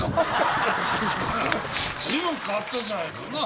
随分変わったじゃないかなぁ？